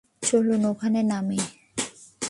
চলুন, ওখানে নামি।